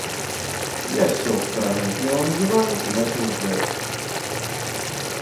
Я сел в стороне от него на диване и начал ждать.